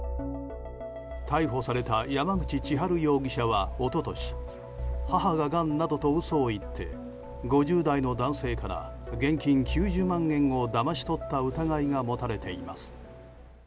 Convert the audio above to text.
逮捕された山口千春容疑者は一昨年母ががんなどと嘘を言って５０代の男性から現金９０万円をだまし取った疑いが持たれています。